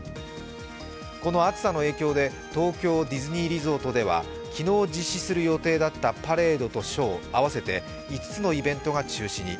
この暑さの影響で東京ディズニーリゾートでは、昨日実施する予定だったパレードとショー、合わせて５つのイベントが中止に。